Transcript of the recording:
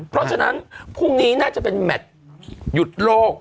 เพราะฉะนั้นพรุ่งนี้น่าจะเป็นแมทหยุดโลก